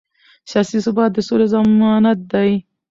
سیاسي ثبات د سولې ضمانت دی